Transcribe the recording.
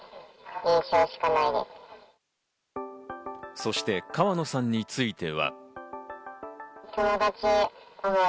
そして川野さんについては。